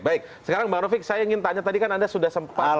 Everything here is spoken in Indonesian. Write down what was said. baik sekarang bang rofik saya ingin tanya tadi kan anda sudah sempat